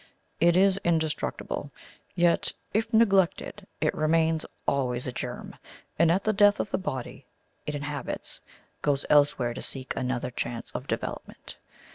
It is indestructible; yet, if neglected, it remains always a germ; and, at the death of the body it inhabits, goes elsewhere to seek another chance of development.